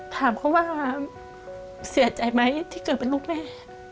ถามเขาว่าเสียใจไหมที่เกิดเป็นลูกแม่